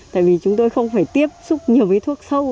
tại vì chúng tôi không phải tiếp xúc nhiều với thuốc sâu